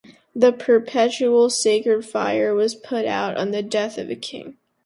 The perpetual sacred fire was put out on the death of a king.